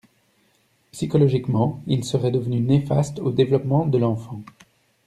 Psychologiquement, il serait devenu néfaste au développement de l’enfant.